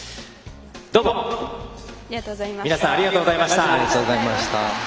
どうも皆さんありがとうございました。